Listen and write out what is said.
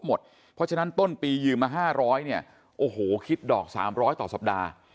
เพราะฉะนั้นต้นปียืมมา๕๐๐เนี่ยโอ้โหคิดดอก๓๐๐ต่อสัปดาห์